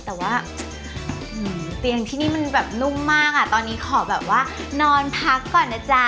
แต่ว่าเตียงที่นี่มันแบบนุ่มมากอ่ะตอนนี้ขอแบบว่านอนพักก่อนนะจ๊ะ